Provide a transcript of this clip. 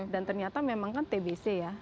dan ternyata memang kan tbc ya